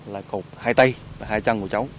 là cột hai tay và hai chân của cháu